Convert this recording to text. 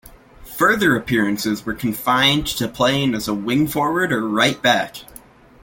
Further appearances were confined to playing as a wing-forward or right back.